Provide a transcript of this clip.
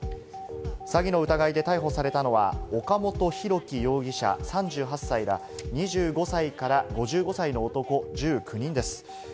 詐欺の疑いで逮捕されたのは、岡本大樹容疑者３８歳ら２５歳から５５歳の男、１９人です。